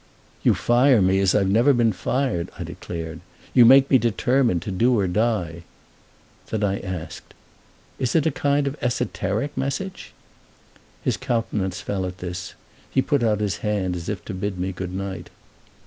"You fire me as I've never been fired," I declared; "you make me determined to do or die." Then I asked: "Is it a kind of esoteric message?" His countenance fell at this—he put out his hand as if to bid me good night.